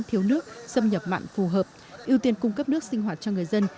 thiếu nước xâm nhập mặn phù hợp ưu tiên cung cấp nước sinh hoạt cho người dân